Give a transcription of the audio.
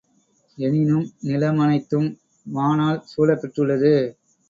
எனினும், நிலமனைத்தும் வானால் சூழப்பெற்றுள்ளது.